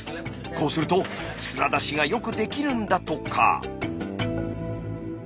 こうすると砂出しがよくできるんだとか。